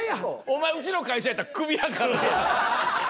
お前うちの会社やったらクビやからな。